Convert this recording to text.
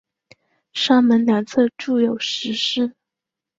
山门两侧筑有石狮。